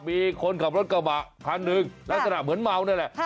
มีคนขับรถกะหม่า๑๐๐๐ลักษณะเหมือนเมาเนี่ยแหละ